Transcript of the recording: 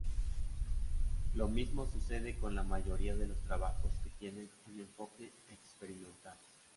Lo mismo sucede con la mayoría de los trabajos que tienen un enfoque experimental.